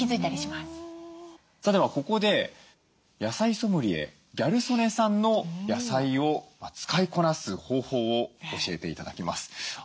さあではここで野菜ソムリエギャル曽根さんの野菜を使いこなす方法を教えて頂きます。